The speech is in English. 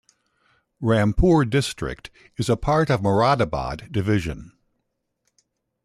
Rampur district is a part of Moradabad division.